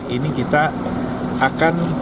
ini kita akan